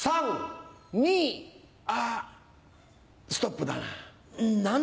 ３・２あぁストップだな。